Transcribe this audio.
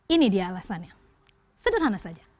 ini dia alasannya sederhana saja